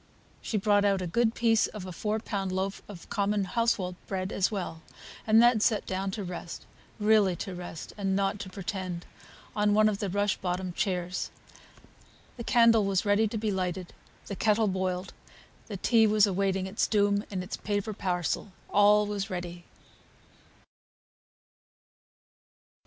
She brought out a good piece of a four pound loaf of common household bread as well, and then sat down to rest, really to rest, and not to pretend, on one of the rush bottomed chairs. The candle was ready to be lighted, the kettle boiled, the tea was awaiting its doom in its paper parcel; all was ready.